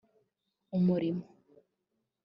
Umurimo